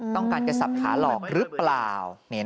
ต้องการจะสับขาหลอกหรือเปล่า